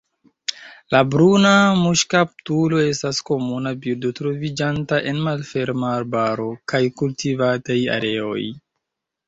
La Bruna muŝkaptulo estas komuna birdo troviĝanta en malferma arbaro kaj kultivataj areoj.